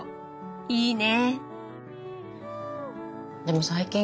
いいね！